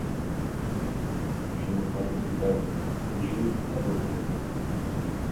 Je n’entends parler que de Paz, et je ne peux pas voir Paz.